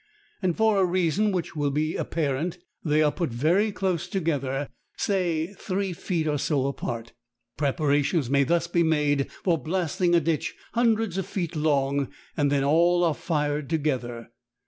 And for a reason which will be apparent they are put very close together, say three feet or so apart. Preparations may thus be made for blasting a ditch hundreds of feet long and then all are fired together.